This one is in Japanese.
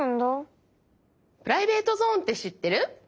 「プライベートゾーン」ってしってる？